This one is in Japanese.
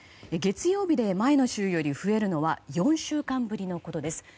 月曜日で前の週より増えるのは４週間ぶりのことです。